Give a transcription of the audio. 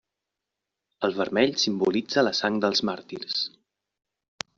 El vermell simbolitza la sang dels màrtirs.